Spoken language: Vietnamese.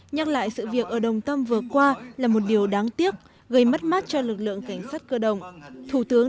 nhắc lại sự việc ở đồng tâm vừa qua là một điều đáng tiếc gây mất mát cho lực lượng cảnh sát cơ động